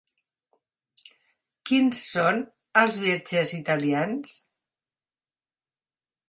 Quins són els viatgers italians?